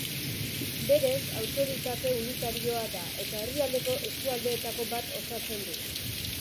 Berez autoritate unitarioa da eta herrialdeko eskualdeetako bat osatzen du.